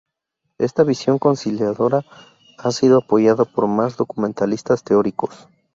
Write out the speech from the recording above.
Esta visión conciliadora ha sido apoyada por más documentalistas teóricos.